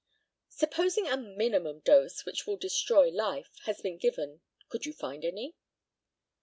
Supposing a minimum dose, which will destroy life, has been given, could you find any?